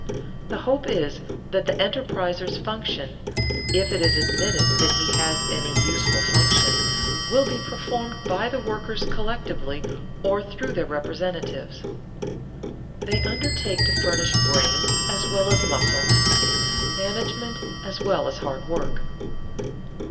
The hope is that the enterpriser's function (if it is admitted that he has any useful function) will be performed by the workers collectively or through their representatives. They undertake to furnish brain as well as muscle, management as well as hand work.